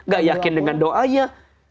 gak yakin dengan doanya